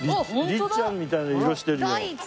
律ちゃんみたいな色してるよ。